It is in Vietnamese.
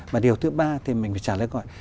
và điều thứ ba thì mình phải trả lời câu hỏi